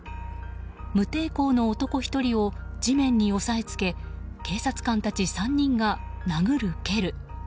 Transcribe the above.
無抵抗の男１人を地面に押さえつけ警察官たち３人が、殴る蹴る。